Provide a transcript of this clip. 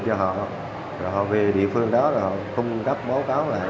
theo thông tin từ chính quyền địa phương các doanh nghiệp này có xin phép ngành chức năng giám sát